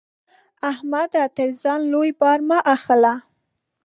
احمده! تر ځان لوی بار مه اخله.